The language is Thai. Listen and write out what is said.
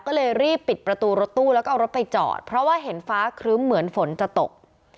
ก็เลยรีบปิดประตูรถตู้แล้วก็เอารถไปจอดเพราะว่าเห็นฟ้าครึ้มเหมือนฝนจะตก